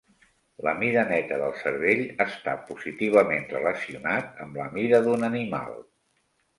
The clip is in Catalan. La mida neta del cervell està positivament relacionat amb la mida d'un animal.